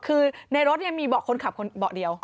คือในรถเนี่ยมีเบาะคนขับเบาะเดียว